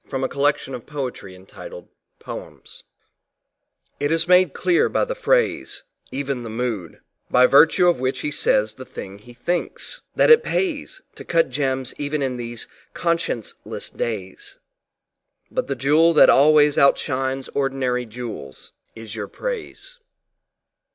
TO WILLIAM BUTLER YEATS ON TAGORE It is made clear by the phrase, even the mood by virtue of which he says the thing he thinks that it pays, to cut gems even in these conscience less days; but the jewel that always outshines ordinary jewels, is your praise.